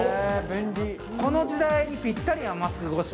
この時代にぴったりやんマスク越し。